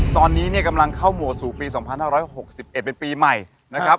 ตอนนี้เนี่ยกำลังเข้าโหมดสู่ปีสองพันห้าร้อยหกสิบเอ็ดเป็นปีใหม่นะครับ